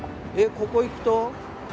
ここ行くと？